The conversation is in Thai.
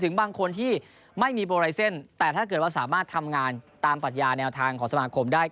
บางคนที่ไม่มีโปรไลเซ็นต์แต่ถ้าเกิดว่าสามารถทำงานตามปรัชญาแนวทางของสมาคมได้